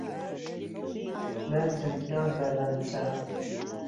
لهنجه گیان به لهنجه